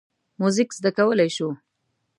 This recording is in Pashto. موزیک زده کولی شو.